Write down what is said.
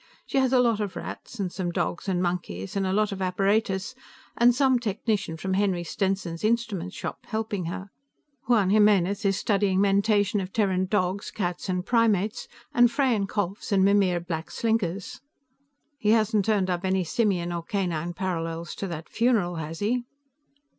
She has a lot of rats, and some dogs and monkeys, and a lot of apparatus, and some technician from Henry Stenson's instrument shop helping her. Juan Jimenez is studying mentation of Terran dogs, cats and primates, and Freyan kholphs and Mimir black slinkers." "He hasn't turned up any simian or canine parallels to that funeral, has he?"